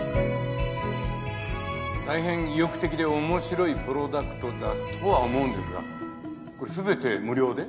大変意欲的で面白いプロダクトだとは思うんですがこれすべて無料で？